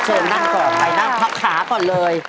เจอเบิ้ลนั่งถ่ายนั่งพับขาก่อนเลย